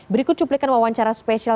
berikut cuplikan wawancara spesial